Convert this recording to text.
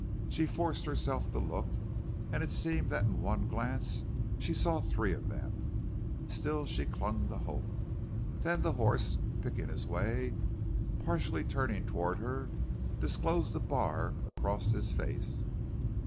She forced herself to look, and it seemed that in one glance she saw three of them. Still she clung to hope. Then the horse, picking his way, partially turning toward her, disclosed the bar across his face.